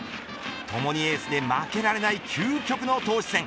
ともにエースで負けられない究極の投手戦。